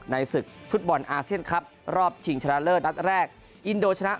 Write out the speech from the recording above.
ศึกฟุตบอลอาเซียนครับรอบชิงชนะเลิศนัดแรกอินโดชนะ